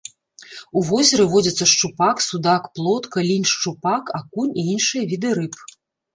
У возеры водзяцца шчупак, судак, плотка, лінь шчупак, акунь і іншыя віды рыб.